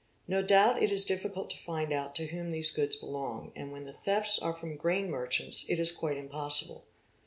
No doubt it is difficult to find out to whom these goods belong | and when the thefts are from grain merchants it is quite impossible.